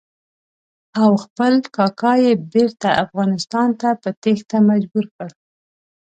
او خپل کاکا یې بېرته افغانستان ته په تېښته مجبور کړ.